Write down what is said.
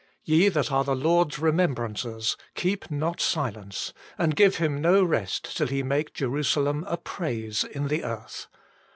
Ye that are the Lord s remembrancers, keep not silence, and give Him no rest till He make Jerusalem a praise in the earth."